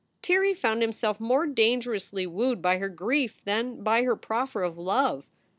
Tirrey found himself more dangerously wooed by her grief than by her proffer of love.